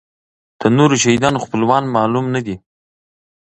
د نورو شهیدانو خپلوان معلوم نه دي.